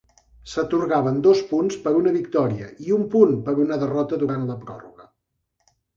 S'atorgaven dos punts per una victòria i un punt per una derrota durant la pròrroga.